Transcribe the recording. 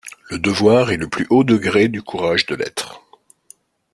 Le devoir est le plus haut degré du courage de l’être.